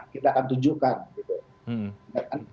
kita akan tunjukkan